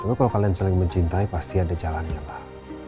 cuma kalau kalian saling mencintai pasti ada jalannya lah